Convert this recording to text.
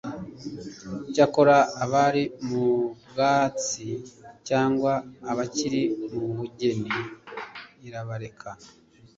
cyakora abari mu bwubatsi cyangwa abakiri mu bugeni arabareka